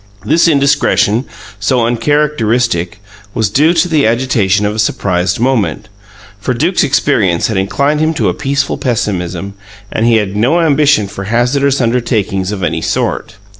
This indiscretion, so uncharacteristic, was due to the agitation of a surprised moment, for Duke's experience had inclined him to a peaceful pessimism, and he had no ambition for hazardous undertakings of any sort.